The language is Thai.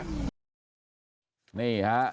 การผูลจะเสร็จ